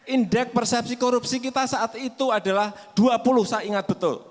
indeks persepsi korupsi kita saat itu adalah dua puluh saya ingat betul